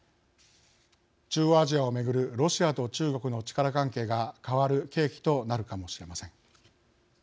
中央アジアを巡るロシアと中国の力関係が変わる契機となるかもしれません。